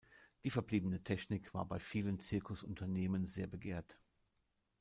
Die verbliebene Technik war bei vielen Zirkusunternehmen sehr begehrt.